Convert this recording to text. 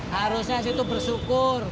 harusnya situ bersyukur